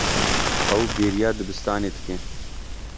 Ew bêriya dibistanê dike.